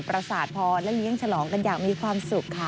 ประสาทพอและเลี้ยงฉลองกันอย่างมีความสุขค่ะ